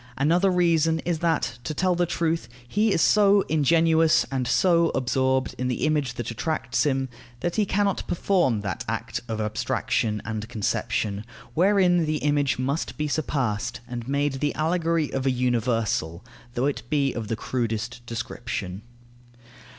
Another reason is that, to tell the truth, he is so ingenuous and so absorbed in the image that attracts him, that he cannot perform that act of abstraction and conception, wherein the image must be surpassed and made the allegory of a universal, though it be of the crudest description.